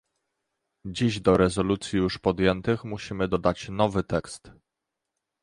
Dziś do rezolucji już podjętych musimy dodać nowy tekst